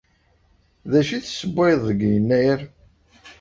D acu i tessewwayeḍ deg Yennayer?